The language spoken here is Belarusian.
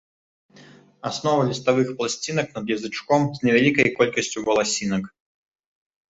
Аснова ліставых пласцінак над язычком з невялікай колькасцю валасінак.